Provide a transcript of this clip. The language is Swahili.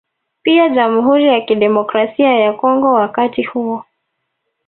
Pia Jamhuri ya Kidemokrasia ya Kongo wakati huo